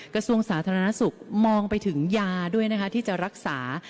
กระทรวงสาธารณสุขมองไปถึงยาด้วยนะคะที่จะรักษา